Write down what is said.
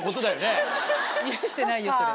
許してないよそれ。